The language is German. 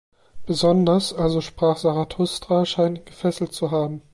Besonders "Also sprach Zarathustra" scheint ihn gefesselt zu haben.